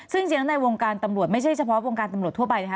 ซึ่งเสียงในวงการตำรวจไม่ใช่เฉพาะวงการตำรวจทั่วไปนะคะ